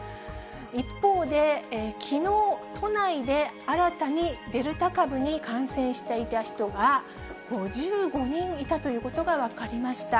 一方できのう、都内で新たにデルタ株に感染していた人が５５人いたということが分かりました。